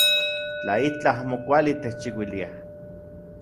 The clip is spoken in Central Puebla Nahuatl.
Tla itlaj amo kuali techchiuiliaj.